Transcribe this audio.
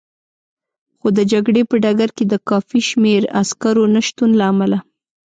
خو د جګړې په ډګر کې د کافي شمېر عسکرو نه شتون له امله.